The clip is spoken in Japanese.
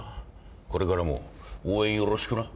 これからも応援よろしくな。